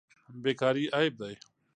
بیکاري عیب دی.